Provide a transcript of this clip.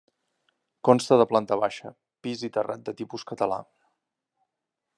Consta de planta baixa, pis i terrat de tipus català.